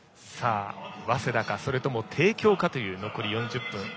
早稲田か、それとも帝京かという残り４０分。